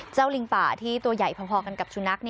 ลิงป่าที่ตัวใหญ่พอกันกับสุนัข